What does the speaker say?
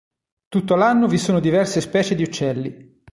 Tutto l'anno vi sono diverse specie di uccelli.